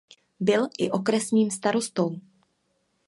Byl i okresním starostou.